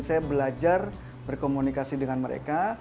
saya belajar berkomunikasi dengan mereka